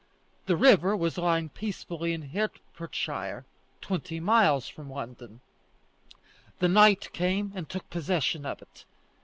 The river was lying peacefully in Hertfordshire, twenty miles from London: the knight came and took possession of it.